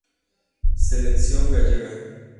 Selección Gallega.